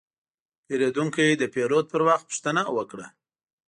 پیرودونکی د پیرود پر وخت پوښتنه وکړه.